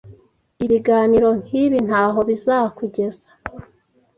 Ibiganiro nkibi ntaho bizakugeza.